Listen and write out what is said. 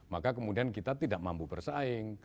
maka kemudian kita tidak mampu bersaing